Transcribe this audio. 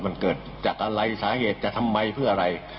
มันเกิดจากอะไรสาเหตุจะทำไมเพื่ออะไร